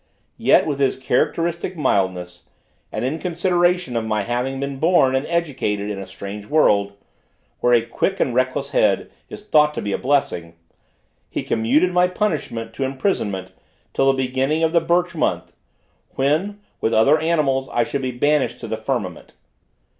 Yet with his characteristic mildness, and in consideration of my having been born and educated in a strange world, where a quick and reckless head is thought to be a blessing, he commuted my punishment to imprisonment till the beginning of the Birch month, when, with other animals, I should be banished to the firmament.